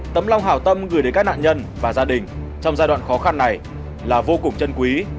tấm lòng hào tâm gửi đến các nạn nhân và gia đình trong giai đoạn khó khăn này là vô cùng chân quý